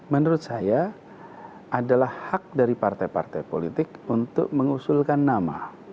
menurut saya adalah hak dari partai partai politik untuk mengusulkan nama